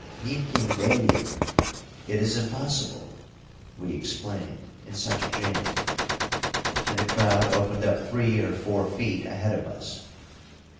"Nimkin deyil" ("It is impossible"), we explained, in such a jam; and the crowd opened up three or four feet ahead of us.